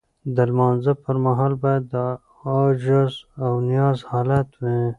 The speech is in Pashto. د لمانځه پر مهال باید د عجز او نیاز حالت وي.